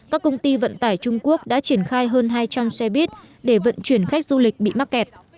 các công ty vận tải trung quốc đã triển khai hơn hai trăm linh xe buýt để vận chuyển khách du lịch bị mắc kẹt